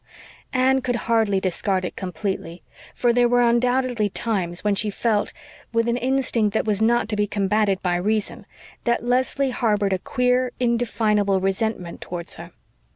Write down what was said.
Anne could hardly discard it completely, for there were undoubtedly times when she felt, with an instinct that was not to be combated by reason, that Leslie harbored a queer, indefinable resentment towards her.